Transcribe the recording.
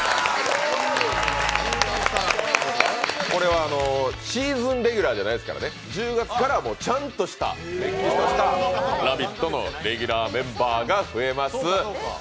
これはシーズンレギュラーじゃないですからね１０月からちゃんとした、れっきとした「ラヴィット！」のレギュラーメンバーが増えます。